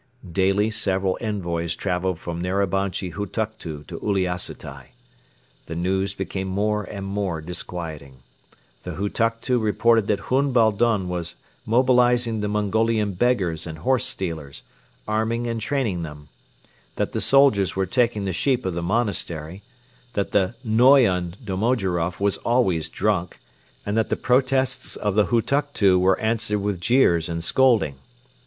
Daily several envoys traveled from Narabanchi Hutuktu to Uliassutai. The news became more and more disquieting. The Hutuktu reported that Hun Boldon was mobilizing the Mongolian beggars and horse stealers, arming and training them; that the soldiers were taking the sheep of the monastery; that the "Noyon" Domojiroff was always drunk; and that the protests of the Hutuktu were answered with jeers and scolding.